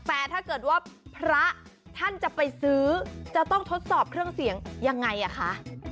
แต่ถ้าเกิดว่าพระท่านจะไปซื้อจะต้องทดสอบเครื่องเสียงยังไงอ่ะคะ